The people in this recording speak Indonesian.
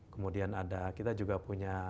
kemudian ada kita juga punya